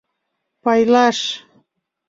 Пайлаш!